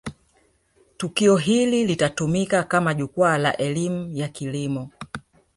tukio hili litatumika kama jukwaa la elimu ya kilimo